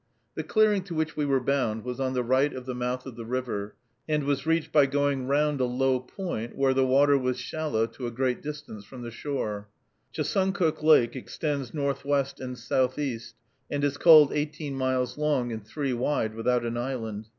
The clearing to which we were bound was on the right of the mouth of the river, and was reached by going round a low point, where the water was shallow to a great distance from the shore. Chesuncook Lake extends northwest and southeast, and is called eighteen miles long and three wide, without an island.